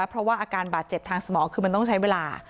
เพราะว่าอาการบาดเจ็บทางสมองคือมันต้องใช้เวลา